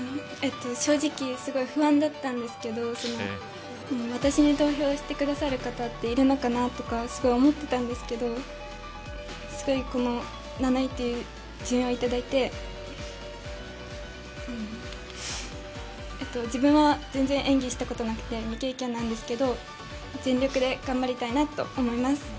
正直、すごい不安だったんですけれども、私に投票してくださる方っているのかなとすごい思ってたんですけど、７位という順位をいただいて自分は全然演技したことなくて、未経験なんですけど全力で頑張りたいなと思います。